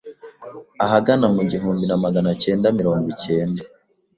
Ahagana mu gihumbi maganacyenda mirongo icyenda